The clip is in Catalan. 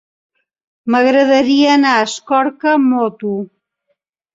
M'agradaria anar a Escorca amb moto.